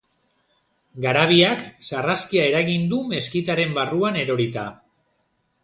Garabiak sarraskia eragin du meskitaren barruan erorita.